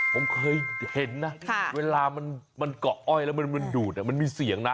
ผมเคยเห็นนะเวลามันเกาะอ้อยแล้วมันดูดมันมีเสียงนะ